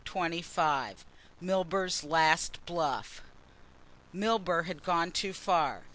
CHAPTER XXV MILBURGH'S LAST BLUFF Milburgh had gone too far.